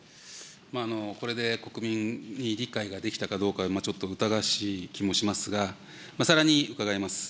これで国民に理解ができたかどうか、ちょっと疑わしい気もしますが、さらに伺います。